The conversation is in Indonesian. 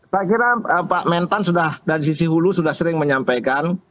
saya kira pak mentan sudah dari sisi hulu sudah sering menyampaikan